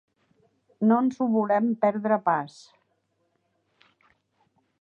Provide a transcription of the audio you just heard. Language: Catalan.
No ens ho volem perdre pas.